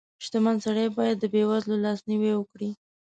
• شتمن سړی باید د بېوزلو لاسنیوی وکړي.